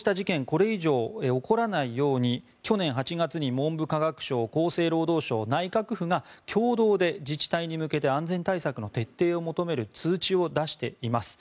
これ以上起こらないように去年８月に文部科学省厚生労働省、内閣府が共同で自治体に向けて安全対策の徹底を求める通知を出しています。